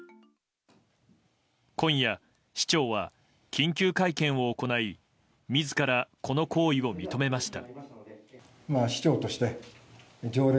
今夜、市長は緊急会見を行い自らこの行為を認めました。